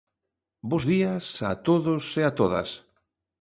Bos días, a todos e a todas.